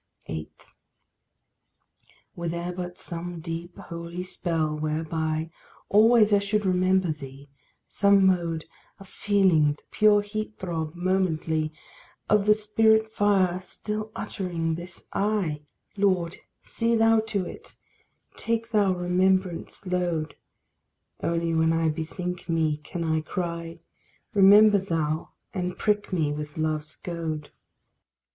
8. Were there but some deep, holy spell, whereby Always I should remember thee some mode Of feeling the pure heat throb momently Of the spirit fire still uttering this I! Lord, see thou to it, take thou remembrance' load: Only when I bethink me can I cry; Remember thou, and prick me with love's goad.